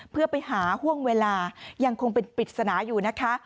เพื่อไปหาห่วงเวลายังคงเป็นปริศนาอยู่นะคะ